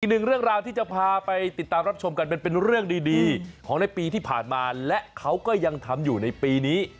หนึ่งเรื่องราวที่จะพาไปติดตามรับชมกันเป็นเรื่องดีของในปีที่ผ่านมาและเขาก็ยังทำอยู่ในปีนี้